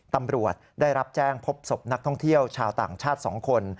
ตำรวจได้รับแจ้งพบศพนักท่องเที่ยวชาวต่างชาติ๒คน